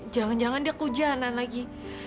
jangan jangan dia kehujanan lagi